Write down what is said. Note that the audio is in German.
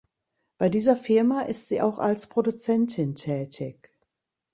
Bei dieser Firma ist sie auch als Produzentin tätig.